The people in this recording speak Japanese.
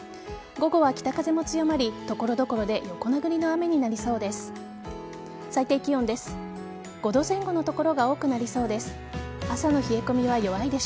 ここは北風も強まり所々で横殴りの雨になりそうです。